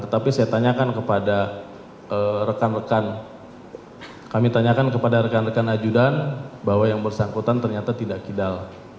tetapi saya tanyakan kepada rekan rekan kami tanyakan kepada rekan rekan ajudan bahwa yang bersangkutan ternyata tidak kidal